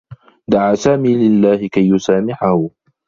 دعى سامي لله كي يسامحه.